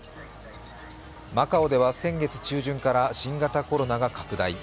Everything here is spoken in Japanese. マカオでは先月中旬から新型コロナが拡大。